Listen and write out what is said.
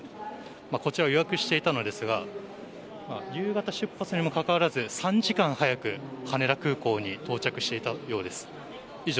こちらを予約していたのですが夕方出発にもかかわらず、３時間早く羽田空港に到着していたようです。